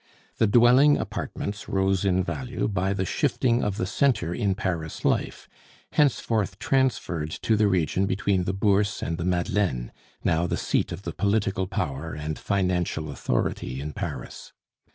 The dwelling apartments rose in value by the shifting of the centre in Paris life henceforth transferred to the region between the Bourse and the Madeleine, now the seat of the political power and financial authority in Paris.